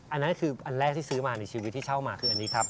อันนั้นคืออันแรกที่ซื้อมาในชีวิตที่เช่ามาคืออันนี้ครับ